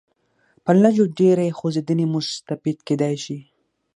په لږ و ډېرې خوځېدنې مستفید کېدای شي.